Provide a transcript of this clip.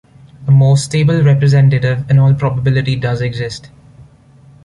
A more stable representative in all probability does exist.